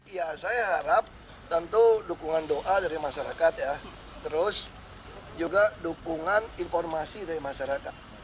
ya saya harap tentu dukungan doa dari masyarakat ya terus juga dukungan informasi dari masyarakat